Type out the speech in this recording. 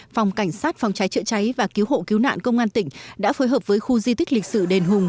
phòng cảnh sát phòng cháy chữa cháy và cứu hộ cứu nạn công an tỉnh đã phối hợp với khu di tích lịch sử đền hùng